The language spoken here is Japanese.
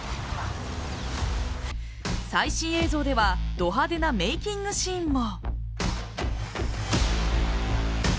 最新映像ではド派手なメイキングシーンも。